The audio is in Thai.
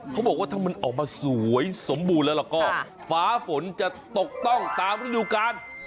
เขาบอกว่าถ้ามันออกมาสวยสมบูรณ์แล้วก็ฟ้าฝนจะตกต้องตามฤดูกาล